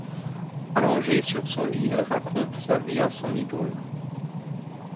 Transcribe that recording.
Allongée sur son lit elle raconte sa vie à son idole.